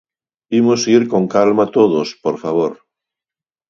Imos ir con calma todos, por favor.